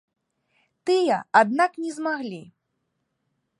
Тыя, аднак не змаглі.